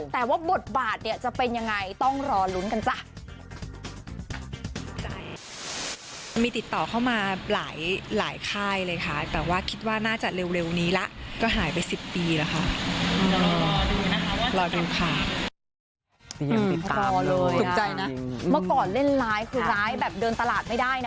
แต่ว่าบทบาทเนี่ยจะเป็นยังไงต้องรอลุ้นกันจ้ะ